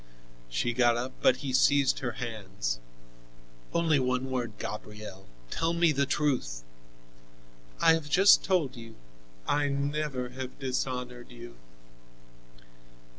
She got up, but he seized her hands. "Only one word, Gabrielle. Tell me the truth!" "I have just told you. I never have dishonored you."